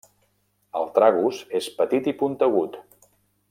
El tragus és petit i puntegut.